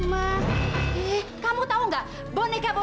kakak mau gizra tau gak